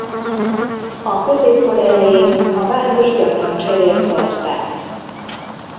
A középkor elején a város gyakran cserélt gazdát.